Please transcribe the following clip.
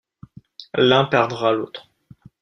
L’un perdra l’autre.